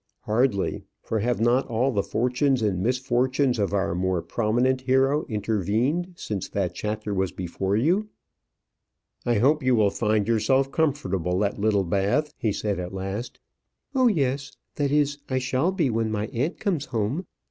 Hardly; for have not all the fortunes and misfortunes of our more prominent hero intervened since that chapter was before you? "I hope you will find yourself comfortable at Littlebath," he said at last. "Oh, yes; that is, I shall be when my aunt comes home.